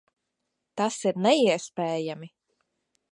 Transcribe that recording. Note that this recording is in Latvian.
Tas ir neiespējami!